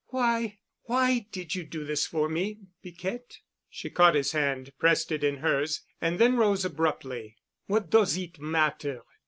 "Why—why did you do this for me, Piquette?" She caught his hand, pressed it in hers, and then rose abruptly. "What does it matter?